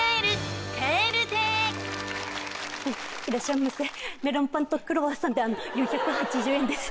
いらっしゃいませメロンパンとクロワッサンで４８０円です。